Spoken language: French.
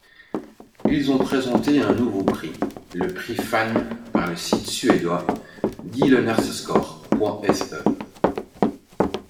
Ils ont présenté un nouveau prix, le Prix Fan par le site suédois Gylleneskor.se.